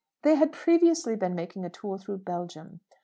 They had previously been making a tour through Belgium.